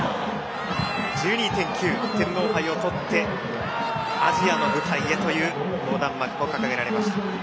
１２．９天皇杯をとってアジアの舞台へという横断幕が掲げられました。